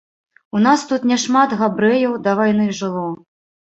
У нас тут няшмат габрэяў да вайны жыло.